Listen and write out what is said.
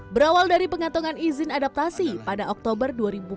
berawal dari pengantongan izin adaptasi pada oktober dua ribu empat belas